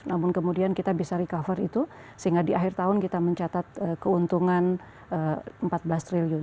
namun kemudian kita bisa recover itu sehingga di akhir tahun kita mencatat keuntungan rp empat belas triliun